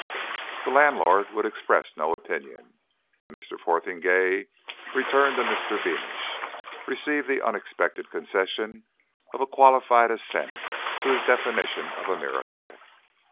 The landlord would express no opinion, and Mr. Fotheringay, returning to Mr. Beamish, received the unexpected concession of a qualified assent to his definition of a miracle.